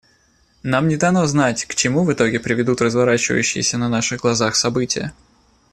Нам не дано знать, к чему в итоге приведут разворачивающиеся на наших глазах события.